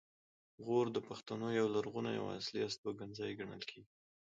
غور د پښتنو یو لرغونی او اصلي استوګنځی ګڼل کیږي